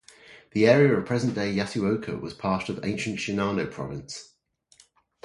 The area of present-day Yasuoka was part of ancient Shinano Province.